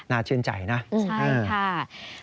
น่าชื่นใจนะอืมค่ะใช่ค่ะ